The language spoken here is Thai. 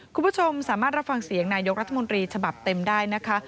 คุณผู้ชมสามารถรับฟังเสียงนายกรัฐมนตรีฉบับเต็มได้นะคะ